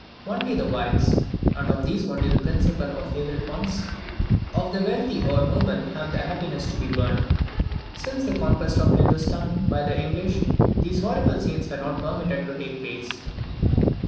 Only the wives (and of these only the principal or favourite ones) of the wealthy or noble have the happiness to be burnt! Since the conquest of Hindostan by the English, these horrible scenes are not permitted to take place.